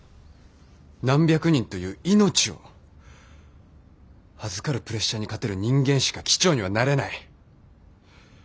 何百人という命を預かるプレッシャーに勝てる人間しか機長にはなれない。